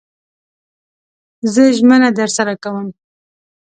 زه ژمنه درسره کوم